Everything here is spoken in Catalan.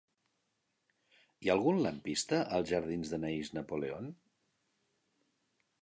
Hi ha algun lampista als jardins d'Anaïs Napoleon?